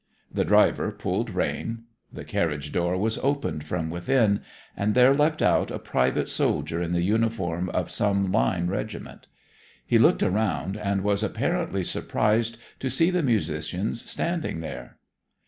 The driver pulled rein. The carriage door was opened from within, and there leapt out a private soldier in the uniform of some line regiment. He looked around, and was apparently surprised to see the musicians standing there.